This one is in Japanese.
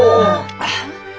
あっ！